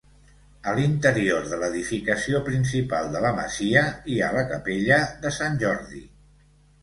A l'interior de l'edificació principal de la masia hi ha la capella de Sant Jordi.